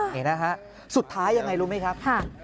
นี่นะครับสุดท้ายอย่างไรรู้ไหมครับ